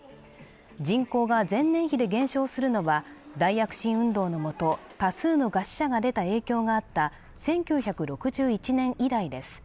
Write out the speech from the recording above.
人口が前年比で減少するのは大躍進運動のもと多数の餓死者が出た影響があった１９６１年以来です